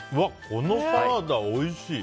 このサラダ、おいしい。